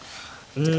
うん。